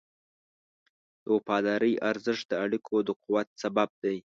د وفادارۍ ارزښت د اړیکو د قوت سبب دی.